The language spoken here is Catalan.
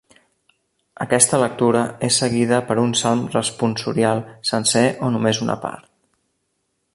Aquesta lectura és seguida per un Salm Responsorial, sencer o només una part.